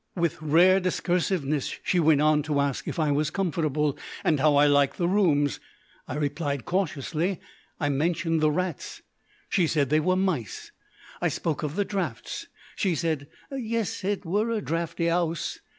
With rare discursiveness she went on to ask if I was comfortable, and how I liked the rooms. I replied cautiously. I mentioned the rats. She said they were mice. I spoke of the draughts. She said, "Yes, it were a draughty 'ouse."